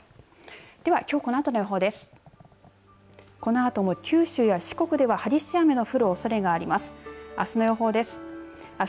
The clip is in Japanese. ではきょうこのあとの予報です。